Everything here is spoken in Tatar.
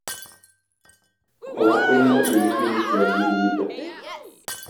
Алар турында имеш-мимешләр йөри иде.